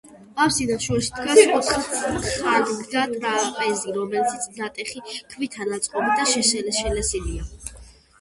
აფსიდის შუაში დგას ოთხწახნაგა ტრაპეზი, რომელიც ნატეხი ქვითაა ნაწყობი და შელესილია.